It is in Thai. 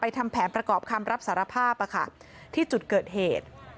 ทำแผนประกอบคำรับสารภาพที่จุดเกิดเหตุ